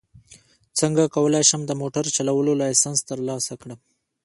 څنګه کولی شم د موټر چلولو لایسنس ترلاسه کړم